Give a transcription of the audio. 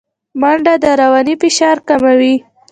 منډه د رواني فشار کموي